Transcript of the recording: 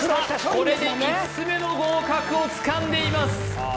これで５つ目の合格をつかんでいます